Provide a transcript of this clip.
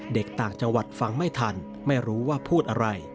ต่างจังหวัดฟังไม่ทันไม่รู้ว่าพูดอะไร